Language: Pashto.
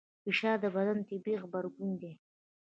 فشار د بدن طبیعي غبرګون دی.